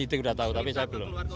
bantuan keluarga untuk mencari